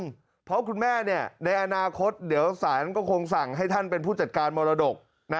เพราะคุณแม่ในอนาคตเดี๋ยวสารก็คงสั่งให้ท่านเป็นผู้จัดการมรดก